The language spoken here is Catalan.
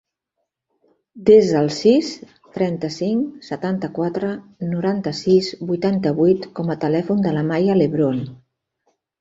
Desa el sis, trenta-cinc, setanta-quatre, noranta-sis, vuitanta-vuit com a telèfon de la Maya Lebron.